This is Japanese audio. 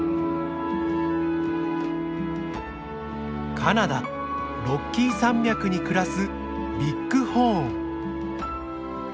カナダロッキー山脈に暮らすビッグホーン。